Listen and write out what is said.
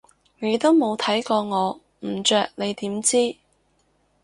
你都冇睇過我唔着你點知？